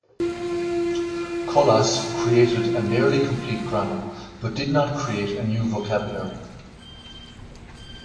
Colas created a nearly complete grammar, but did not create a new vocabulary.